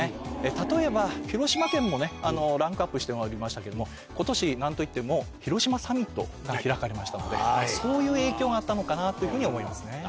例えば広島県もランクアップしておりましたけども今年何といっても広島サミットが開かれましたのでそういう影響があったのかなというふうに思いますね。